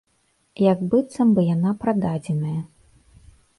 Як быццам бы яна прададзеная.